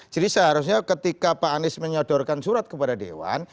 jadi seharusnya ketika pak anies menyodorkan surat kepada dewan